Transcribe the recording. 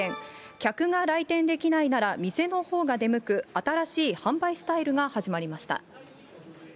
客が来店できないなら店のほうが出向く、新しい販売スタイルが始まりました。